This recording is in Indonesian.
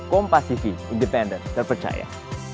kompas tv independen terpercaya